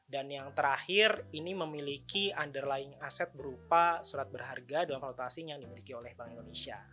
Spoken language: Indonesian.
dan yang terakhir ini memiliki underline aset berupa surat berharga dalam valuta asing yang dimiliki oleh bank indonesia